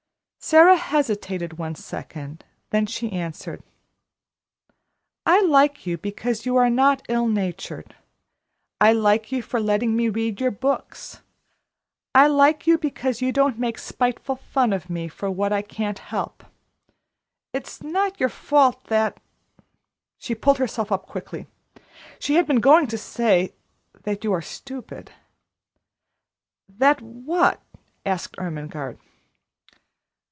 Sara hesitated one second, then she answered: "I like you because you are not ill natured I like you for letting me read your books I like you because you don't make spiteful fun of me for what I can't help. It's not your fault that " She pulled herself up quickly. She had been going to say, "that you are stupid." "That what?" asked Ermengarde.